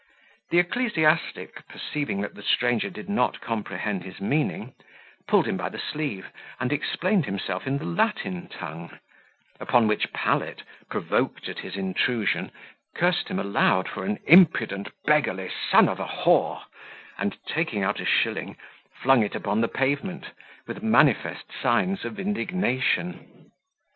The ecclesiastic, perceiving that the stranger did not comprehend his meaning, pulled him by the sleeve, and explained himself in the Latin tongue: upon which Pallet, provoked at his intrusion, cursed him aloud for an impudent beggarly son of a w , and, taking out a shilling, flung it upon the pavement, with manifest signs of indignation.